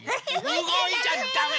うごいちゃだめ！